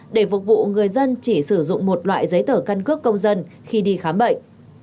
để phục vụ người dân chỉ sử dụng một loại giấy tờ căn cước công dân khi đi khám bệnh